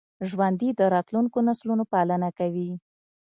ژوندي د راتلونکو نسلونو پالنه کوي